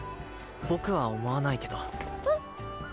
僕は思わないけどえっ？